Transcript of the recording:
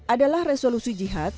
adalah resolusi jihad